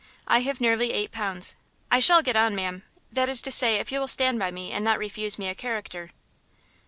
I have nearly eight pounds. I shall get on, ma'am, that is to say if you will stand by me and not refuse me a character."